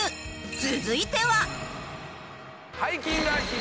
続いては。